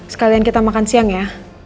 sekalian kita makan siang ya